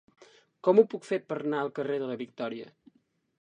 Com ho puc fer per anar al carrer de la Victòria?